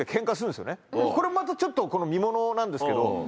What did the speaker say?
これまたちょっと見ものなんですけど。